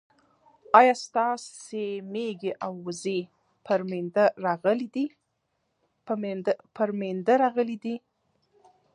ايا ستاسي ميږي او وزې پر مينده راغلې دي